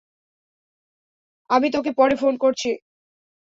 আমি তোকে পরে ফোন করছি।